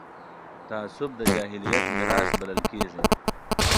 تعصب د جاهلیت میراث بلل کېږي